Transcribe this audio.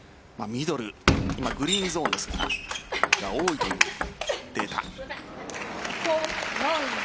ミドルグリーンゾーンですから多いというデータ。